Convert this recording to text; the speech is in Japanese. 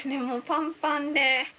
もうパンパンで。